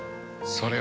それは。